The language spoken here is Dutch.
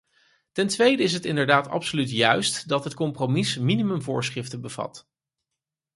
Ten tweede is het inderdaad absoluut juist dat het compromis minimumvoorschriften bevat.